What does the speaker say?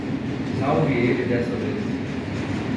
Salve ele dessa vez.